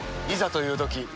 いざというとき